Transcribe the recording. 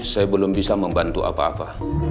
saya belum bisa membantu apa apa